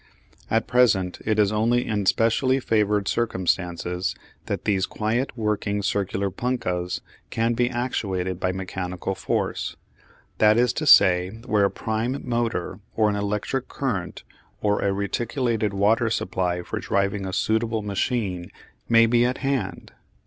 At present it is only in specially favoured circumstances that these quiet working circular punkahs can be actuated by mechanical force, that is to say where a prime motor, or an electric current, or a reticulated water supply for driving a suitable machine may be at hand.